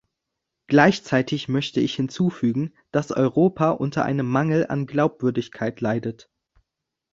Gleichzeitig möchte ich hinzufügen, dass Europa unter einem Mangel an Glaubwürdigkeit leidet.